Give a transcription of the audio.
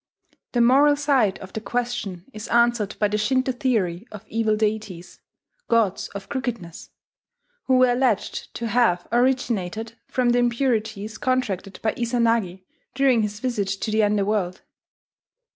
The moral side of the question is answered by the Shinto theory of evil deities, "gods of crookedness," who were alleged to have "originated from the impurities contracted by Izanagi during his visit to the under world."